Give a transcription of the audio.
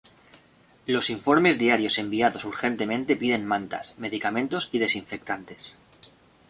Los informes diarios enviados urgentemente piden mantas, medicamentos y desinfectantes.